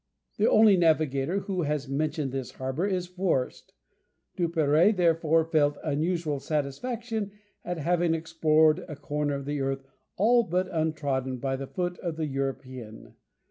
The only navigator who has mentioned this harbour is Forest. Duperrey therefore felt unusual satisfaction at having explored a corner of the earth all but untrodden by the foot of the European.